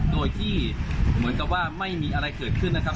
โดยที่เหมือนกับว่าไม่มีอะไรเกิดขึ้นนะครับ